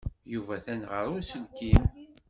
Yuba atan ɣer uselkim.